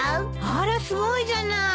あらすごいじゃない。